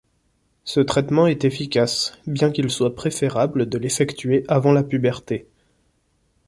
Ce traitement est efficace, bien qu'il soit préférable de l'effectuer avant la puberté.